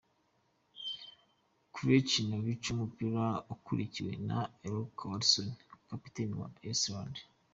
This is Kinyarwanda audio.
Kelechi Iheanacho ku mupira akurikiwe na Aron Gunnarsson kapiteni wa Iceland .